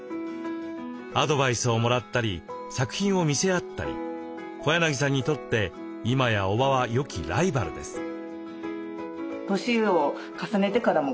アドバイスをもらったり作品を見せ合ったり小柳さんにとって今や伯母は良きライバルです。